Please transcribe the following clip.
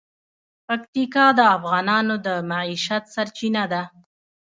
پکتیکا د افغانانو د معیشت سرچینه ده.